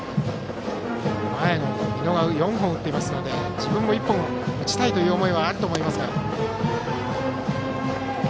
前の美濃は４本打っていますので自分も１本打ちたいという思いはあると思いますが。